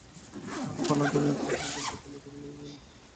তাহার গলা ধরিয়া তাহাকে দোতলার ঘরে লইয়া গেল।